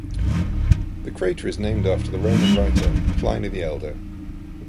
The crater is named after the Roman writer Pliny the Elder.